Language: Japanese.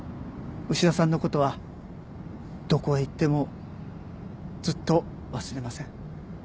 牛田さんのことはどこへ行ってもずっと忘れません